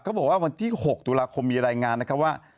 วันที่๖ตุลาคมมีรายงานนะครับว่า